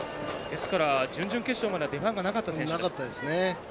ですから、準々決勝までは出番がなかった選手です。